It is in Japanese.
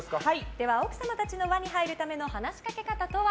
奥様たちの輪に入るための話しかけ方とは？